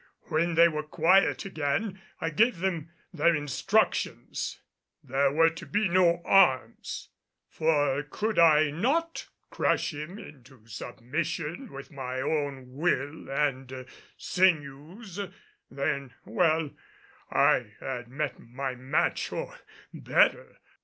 When they were quiet again I gave them their instructions. There were to be no arms. For could I not crush him into submission with my own will and sinews, then well I had met my match or better.